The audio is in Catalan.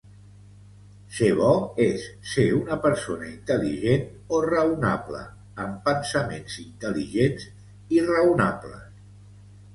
Ser bo és ser una persona intel·ligent o raonable amb pensaments intel·ligents i raonables.